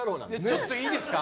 ちょっといいですか。